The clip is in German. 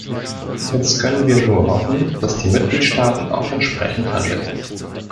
Jetzt können wir nur hoffen, dass die Mitgliedstaaten auch entsprechend handeln.